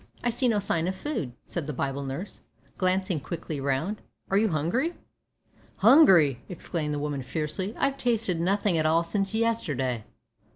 "I see no sign of food," said the Bible nurse, glancing quickly round; "are you hungry?" "Hungry!" exclaimed the woman fiercely, "I've tasted nothin' at all since yesterday."